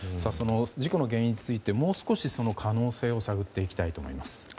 事故の原因についてもう少し可能性を探っていきたいと思います。